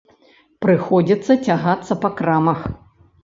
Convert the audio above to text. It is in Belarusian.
Прыходзіцца цягацца па крамах.